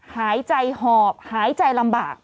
หายใจหอบหายใจลำบาก